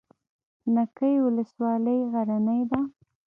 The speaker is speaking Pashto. نکې ولسوالۍ غرنۍ ده؟